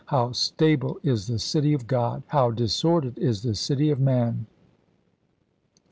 How stable is the city of s'al^f0en°|> Grod ! How disordered is the city of man !